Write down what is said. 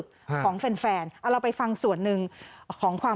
มาวางกันในวันนี้หน่อยค่ะ